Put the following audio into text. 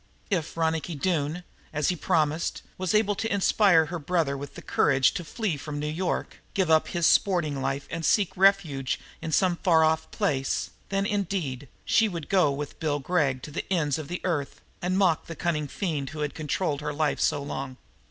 If Ronicky Doone, as he promised, was able to inspire her brother with the courage to flee from New York, give up his sporting life and seek refuge in some far off place, then, indeed, she would go with Bill Gregg to the ends of the earth and mock the cunning fiend who had controlled her life so long.